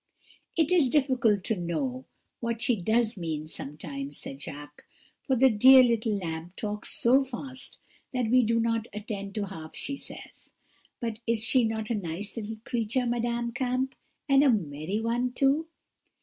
"'It is difficult to know what she does mean sometimes,' said Jacques; 'for the dear little lamb talks so fast that we do not attend to half she says. But is she not a nice little creature, Madame Kamp, and a merry one too?'